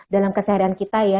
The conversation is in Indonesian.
dalam keseharian kita ya